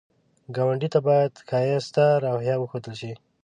ګاونډي ته باید ښایسته رویه وښودل شي